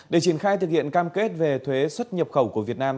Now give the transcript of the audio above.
để triển khai thực hiện cam kết về thuế xuất nhập khẩu của việt nam